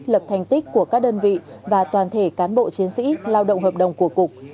lập thành tích của các đơn vị và toàn thể cán bộ chiến sĩ lao động hợp đồng của cục